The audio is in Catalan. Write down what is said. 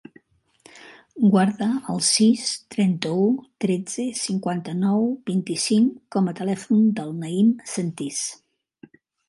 Guarda el sis, trenta-u, tretze, cinquanta-nou, vint-i-cinc com a telèfon del Naïm Sentis.